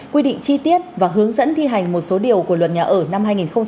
quy định chi tiết và hướng dẫn thi hành một số điều của luật nhà ở năm hai nghìn một mươi bốn